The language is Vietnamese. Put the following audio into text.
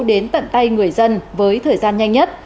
đến tận tay người dân với thời gian nhanh nhất